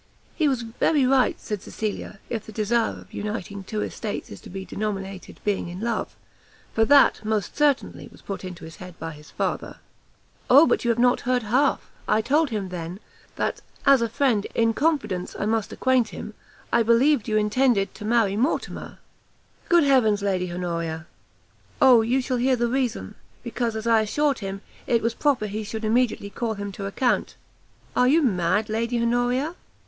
"He was very right," said Cecilia, "if the desire of uniting two estates is to be denominated being in love; for that, most certainly, was put into his head by his father." "O but you have not heard half. I told him, then, that, as a friend, in confidence I must acquaint him, I believed you intended to marry Mortimer " "Good heaven, Lady Honoria!" "O, you shall hear the reason; because, as I assured him, it was proper he should immediately call him to account." "Are you mad, Lady Honoria?"